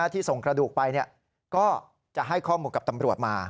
ที่ส่งกระดูกไปก็จะให้ข้อมูลกับตำรวจมา